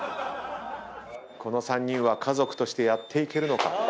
この３人は家族としてやっていけるのか？